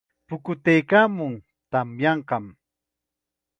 Pukutaykaamun, tamyanqam.